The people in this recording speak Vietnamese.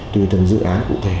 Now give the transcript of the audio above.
tùy từng dự án cụ thể